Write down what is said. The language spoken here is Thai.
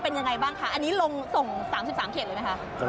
เป็นยังไงบ้างคะอันนี้ลงส่ง๓๓เขตเลยไหมคะ